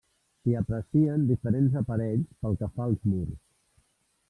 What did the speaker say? S'hi aprecien diferents aparells pel que fa als murs.